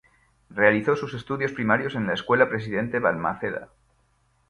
Realizó sus estudios primarios en la Escuela Presidente Balmaceda.